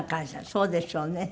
そうでしょうね。